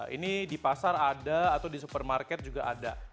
ini di pasar ada atau di supermarket juga ada